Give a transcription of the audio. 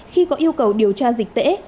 khi có yêu cầu điều tra dịch tễ